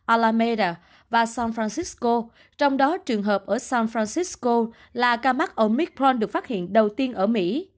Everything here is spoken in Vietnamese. alameda và san francisco trong đó trường hợp ở san francisco là ca mắc omicron được phát hiện đầu tiên ở mỹ